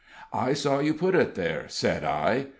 "I saw you put it there," said I.